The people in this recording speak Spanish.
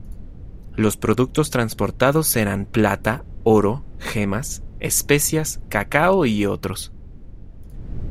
Los productos transportados eran plata, oro, gemas, especias, cacao y otros.